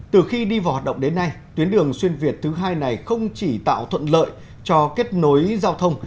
từ khi đi vào hoạt động đến nay tuyến đường xuyên việt thứ hai này không chỉ tạo thuận lợi cho kết nối giao thông